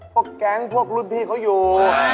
พวกแก๊งพวกรุ่นพี่เขาอยู่